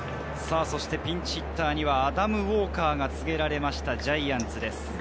そしてピンチヒッターにはアダム・ウォーカーが告げられました、ジャイアンツです。